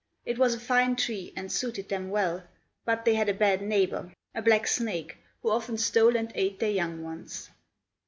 It was a fine tree, and suited them well, but they had a bad neighbor, a black snake, who often stole and ate their young ones.